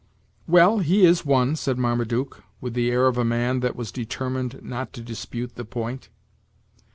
"Well, he is one," said Marmaduke, with the air of a man that was determined not to dispute the point.